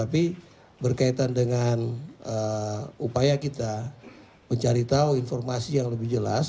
jadi berkaitan dengan upaya kita mencari tahu informasi yang lebih jelas